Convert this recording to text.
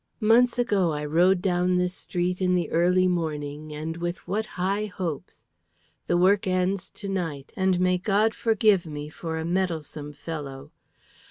Months ago I rode down this street in the early morning, and with what high hopes! The work ends to night, and may God forgive me for a meddlesome fellow.